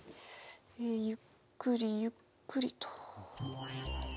ゆっくりゆっくりと。